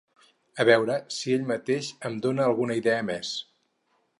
A veure si ell mateix em dona alguna idea més!